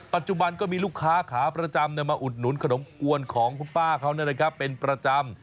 ปัจจุบันก็มีลูกค้าขาประจำมาอุดหนุนขนมกวนของคุณป้าเขาเป็นประจำ